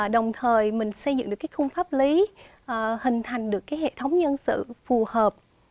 đồng thời mình xây dựng được cái khung pháp lý hình thành được cái hệ thống nhân sự phù hợp